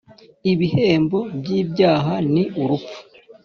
ibihembo by ibyaha ni urupfu